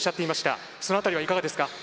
その辺りはいかがですか？